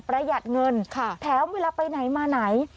หยัดเงินแถมเวลาไปไหนมาไหน